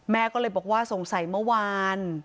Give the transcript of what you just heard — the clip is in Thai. แม่ก็เลยบอกว่าสงสัยเมื่อวาน